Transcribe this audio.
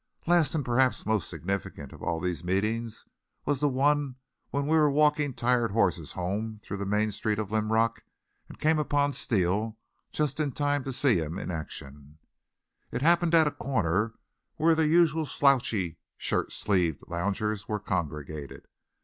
Last and perhaps most significant of all these meetings was the one when we were walking tired horses home through the main street of Linrock and came upon Steele just in time to see him in action. It happened at a corner where the usual slouchy, shirt sleeved loungers were congregated.